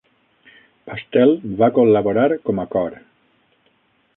Pastel va col·laborar com a cor.